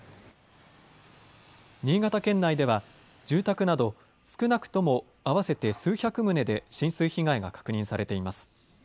新潟県内では、住宅など少なくとも合わせて数百棟で浸水被害が確認されています。